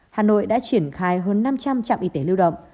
hà nội đã triển khai hơn năm trăm linh trạm y tế lưu động